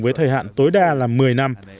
với thời hạn tối đa là một mươi năm